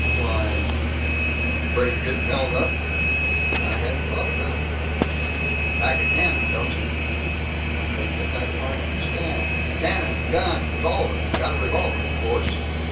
"Why " "'Fraid of getting held up?" "I hadn't thought about it." "Pack a cannon, don't you?" "I don't think I quite understand." "Cannon! Gun! Revolver! Got a revolver, of course?"